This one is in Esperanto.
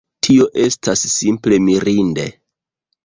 Tio estas simple mirinde!